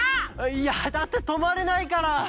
いやだってとまれないから！